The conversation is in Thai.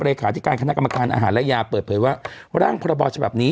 เลขาธิการคณะกรรมการอาหารและยาเปิดเผยว่าร่างพรบฉบับนี้